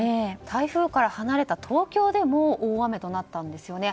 台風から離れた東京でも大雨となったんですよね。